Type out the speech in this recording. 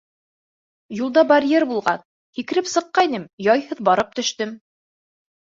Юлда барьер булған, һикереп сыҡҡайным, яйһыҙ барып төштөм.